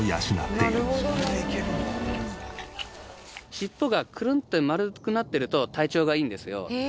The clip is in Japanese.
尻尾がクルンって丸くなってると体調がいいんですよ。